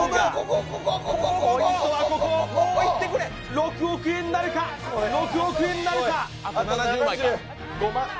６億円なるか、６億円なるか。